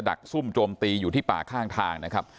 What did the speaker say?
ดซุ่มโจมตีอยู่ที่ป่าข้างทางนะครับ